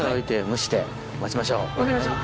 分かりました。